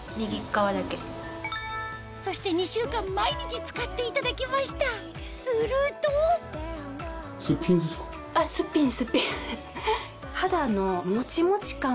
そして２週間毎日使っていただきましたするとすっぴんですか？